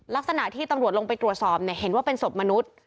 ลักษณะที่ตำรวจลงไปตรวจสอบเห็นว่าเป็นศพมนุษย์